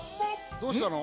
どうしたの？